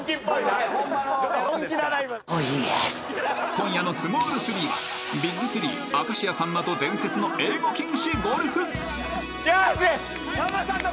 ［今夜の『スモール３』はＢＩＧ３明石家さんまと伝説の英語禁止ゴルフ］よしさんまさんの顔。